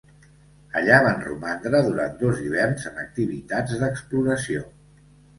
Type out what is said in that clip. Allà van romandre durant dos hiverns en activitats d'exploració.